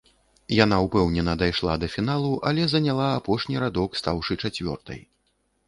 Яна ўпэўнена дайшла да фіналу, але заняла апошні радок, стаўшы чацвёртай.